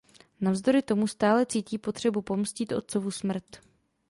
Navzdory tomu stále cítí potřebu pomstít otcovu smrt.